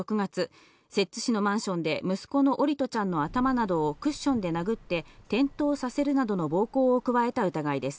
警察によりますと行歩容疑者は今年６月、摂津市のマンションで息子の桜利斗ちゃんの頭などをクッションで殴って転倒させるなどの暴行を加えた疑いです。